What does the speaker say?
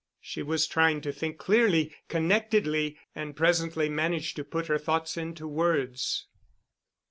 She was trying to think clearly, connectedly, and presently managed to put her thoughts into words.